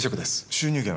収入源は？